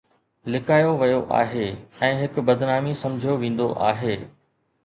لڪايو ويو آهي ۽ هڪ بدنامي سمجهيو ويندو آهي